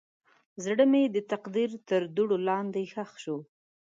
زړه مې د تقدیر تر دوړو لاندې ښخ شو.